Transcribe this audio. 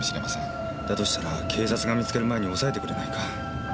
だとしたら警察が見つける前に押さえてくれないか。